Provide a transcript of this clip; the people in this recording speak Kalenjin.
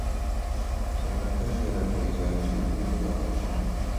Makat kaketar poisyoni ngipkoite karon.